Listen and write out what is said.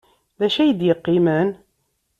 D acu ay d-yeqqimen?